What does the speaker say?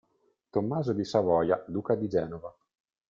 Tommaso di Savoia duca di Genova.